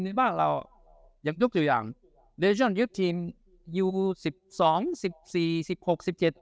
ในบ้านเราอย่างทุกอย่างทีมอยู่สิบสองสิบสี่สิบหกสิบเจ็ด